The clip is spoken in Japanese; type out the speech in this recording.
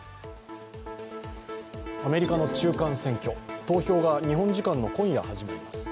アメリカの中間選挙、投票が日本時間の今夜、始まります。